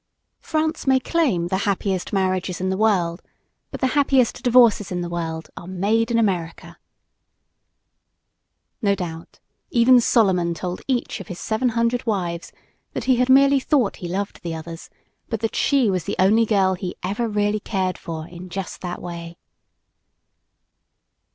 France may claim the happiest marriages in the world, but the happiest divorces in the world are "made in America." No doubt, even Solomon told each of his 700 wives that he had merely thought he loved the others, but that she was the only girl he "ever really cared for" in just that way.